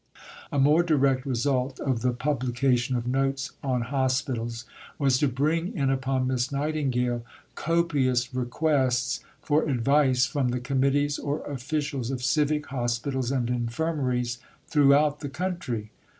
A more direct result of the publication of Notes on Hospitals was to bring in upon Miss Nightingale copious requests for advice from the committees or officials of civic hospitals and infirmaries throughout the country.